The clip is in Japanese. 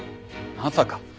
まさか！